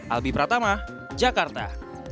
albi pratama jakarta